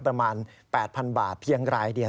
ประมาณ๘๐๐๐บาทเพียงรายเดียว